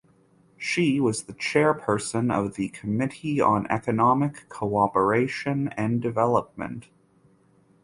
She was chairperson of the Committee on Economic Cooperation and Development.